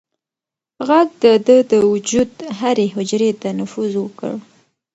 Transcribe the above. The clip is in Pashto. غږ د ده د وجود هرې حجرې ته نفوذ وکړ.